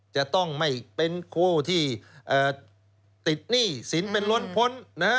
จะต้องไม่เป็นคู่ที่ติดหนี้สินเป็นล้นพ้น